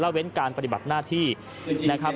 เว้นการปฏิบัติหน้าที่นะครับ